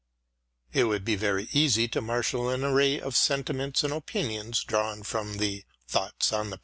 It would be very easy to marshal an array of sentiments and opinions drawn from the " Thoughts on the